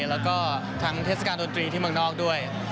แล้วก็ทั้งเทศกาลดนตรีที่เมืองนอกด้วย